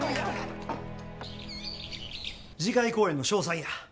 次回公演の詳細や。